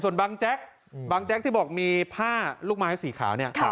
ส่วนบางแจ๊กบางแจ๊กที่บอกมีผ้าลูกไม้สีขาวเนี่ย